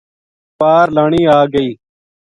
پار لانی آ گئی